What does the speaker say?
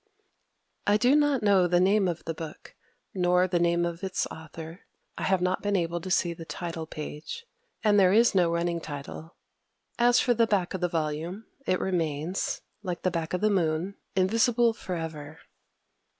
I do not know the name of the book, nor the name of its author: I have not been able to see the title page; and there is no running title. As for the back of the volume, it remains, like the back of the Moon, invisible forever.